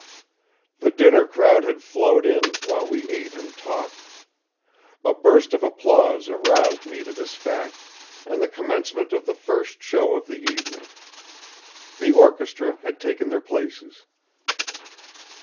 The dinner crowd had flowed in while we ate and talked. A burst of applause aroused me to this fact and the commencement of the first show of the evening. The orchestra had taken their places.